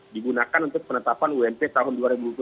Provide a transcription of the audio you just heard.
digunakan untuk penetapan ump tahun dua ribu dua puluh